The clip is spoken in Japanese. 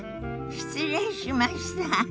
失礼しました。